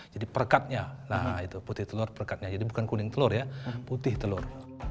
jadi perkatnya lah itu putih telur perkatnya jadi bukan kuning telur ya putih telur